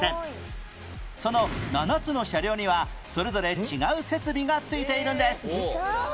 その７つの車両にはそれぞれ違う設備がついているんです